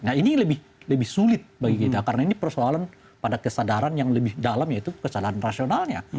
nah ini lebih sulit bagi kita karena ini persoalan pada kesadaran yang lebih dalam yaitu kesadaran rasionalnya